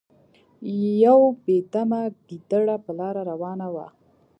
یو بې دمه ګیدړه په لاره روانه وه.